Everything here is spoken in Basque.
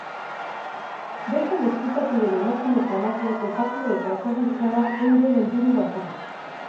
Bertan ezkutatu den emakume famatua topatu eta ezagutzea da euren helburu bakarra.